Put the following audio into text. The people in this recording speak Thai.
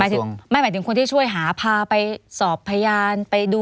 หมายถึงคนที่ช่วยหาพาไปสอบพยาน